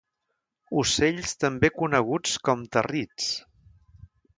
Ocells també coneguts com territs.